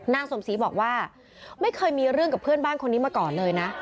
นางสมศรีบอกว่าไม่เคยมีเรื่องกับเพื่อนบ้านคนนี้มาก่อนเลยนะ